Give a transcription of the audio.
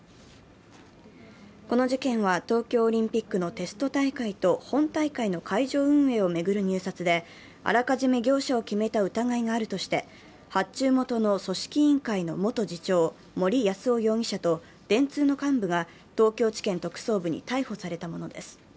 この事件は東京オリンピックのテスト大会と本大会の会場運営を巡る入札であらかじめ業者を決めた疑いがあるとして、発注元の組織委員会の元次長森泰夫容疑者と電通の幹部が東京地検特捜部に逮捕されたものです。